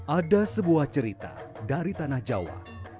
ada sebuah cerita dari tanah jawa